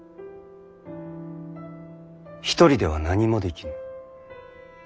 一人では何もできぬ。